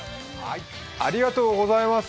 ありがとうございます。